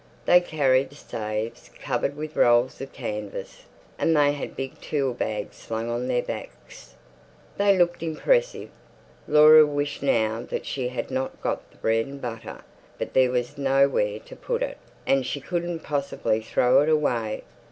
They carried staves covered with rolls of canvas, and they had big tool bags slung on their backs. They looked impressive. Laura wished now that she had not got the bread and butter, but there was nowhere to put it, and she couldn't possibly throw it away.